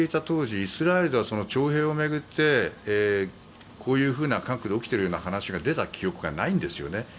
当時イスラエルでは徴兵を巡ってこういうふうな韓国で起きているような話が出た記憶がないんですよね。